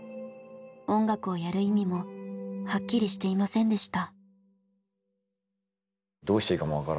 音楽をやる意味もはっきりしていませんでした。